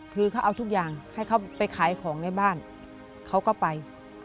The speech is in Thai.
คือเขาเอาทุกอย่างให้เขาไปขายของในบ้านเขาก็ไป